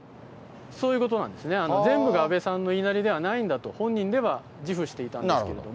そういうことなんですね、全部が安倍さんの言いなりではないんだと、本人では自負していたなるほど。